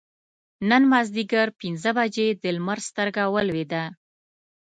نن مازدیګر پینځه بجې د لمر سترګه ولوېده.